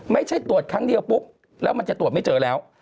ไม่ใช่ตรวจครั้งเดียวปุ๊บแล้วมันจะตรวจไม่เจอแล้ว